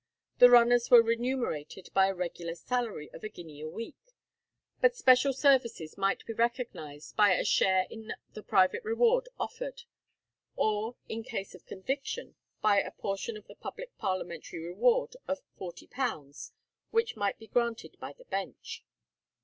The runners were remunerated by a regular salary of a guinea a week; but special services might be recognized by a share in the private reward offered, or, in case of conviction, by a portion of the public parliamentary reward of £40, which might be granted by the bench.